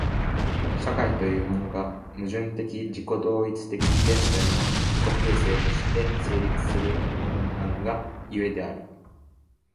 社会というものが、矛盾的自己同一的現在の自己形成として成立するものなるが故である。